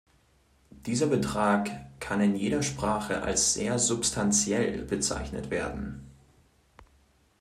Dieser Betrag kann in jeder Sprache als sehr "substantiell" bezeichnet werden.